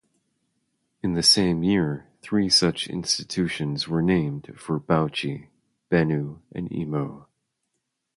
In the same year three such institutions were named for Bauchi, Benue and Imo.